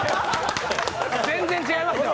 全然違いますよ。